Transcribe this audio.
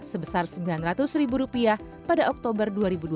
sebesar rp sembilan ratus pada oktober dua ribu dua puluh